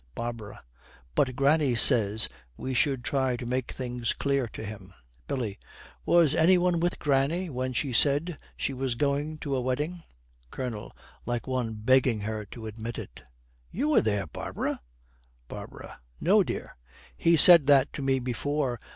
BARBARA. 'But granny says we should try to make things clear to him.' BILLY. 'Was any one with granny when she said she was going to a wedding?' COLONEL, like one begging her to admit it, 'You were there, Barbara.' BARBARA. 'No, dear. He said that to me before.